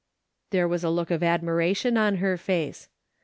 " There was a look of admiration on her face.